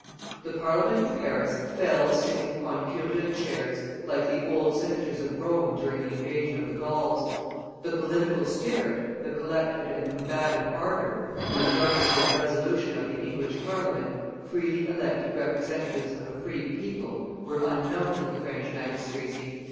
The Parliament of Paris fell sitting upon curule chairs, like the old senators of Rome during the invasion of the Gauls; the political spirit, the collected and combative ardor, the indomitable resolution of the English Parliament, freely elected representatives of a free people, were unknown to the French magistracy.